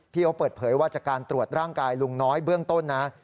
เขาเปิดเผยว่าจากการตรวจร่างกายลุงน้อยเบื้องต้นนะ